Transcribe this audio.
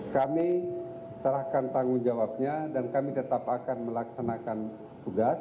kami serahkan tanggung jawabnya dan kami tetap akan melaksanakan tugas